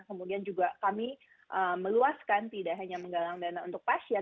kemudian juga kami meluaskan tidak hanya menggalang dana untuk pasien